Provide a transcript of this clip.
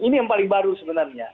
ini yang paling baru sebenarnya